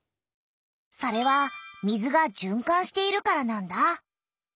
それは水がじゅんかんしているからなんだ。